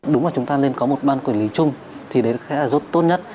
đúng là chúng ta nên có một ban quản lý chung thì đấy là rốt tốt nhất